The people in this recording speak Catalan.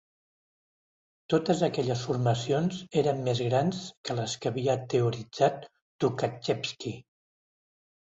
Totes aquelles formacions eren més grans que les que havia teoritzat Tukhatxevski.